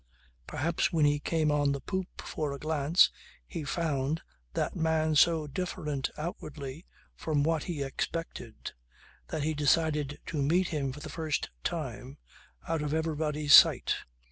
Perhaps when he came on the poop for a glance he found that man so different outwardly from what he expected that he decided to meet him for the first time out of everybody's sight.